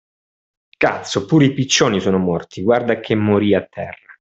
Cazzo pure i piccioni sono morti, guarda che moria a terra.